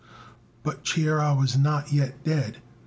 But Chia was not yet dead.